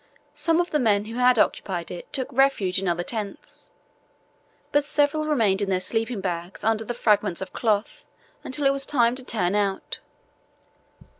Some of the men who had occupied it took refuge in other tents, but several remained in their sleeping bags under the fragments of cloth until it was time to turn out.